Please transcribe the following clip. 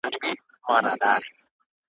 اوس له تسپو او استغفاره سره نه جوړیږي `